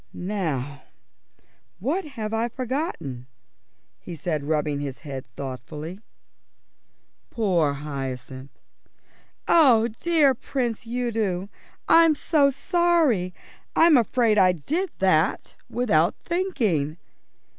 "Now, what have I forgotten?" he said, rubbing his head thoughtfully. Poor Hyacinth! "Oh, dear Prince Udo, I'm so sorry. I'm afraid I did that without thinking."